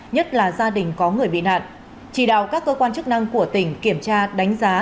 nhất là gia đình có người bị nạn chỉ đạo các cơ quan chức năng của tỉnh kiểm tra đánh giá